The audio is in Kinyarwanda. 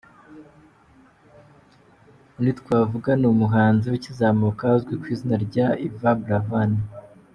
Undi twavuga ni umuhanzi ukizamuka uzwi ku izina rya Yvan Bravan.